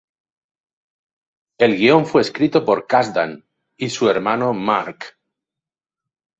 El guión fue escrito por Kasdan y su hermano Mark.